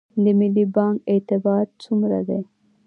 د ملي بانک اعتبار څومره دی؟